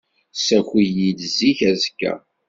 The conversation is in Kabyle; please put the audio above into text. Ssaki-iyi-d zik azekka.